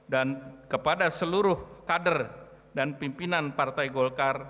dan kepada seluruh kader dan pimpinan partai golkar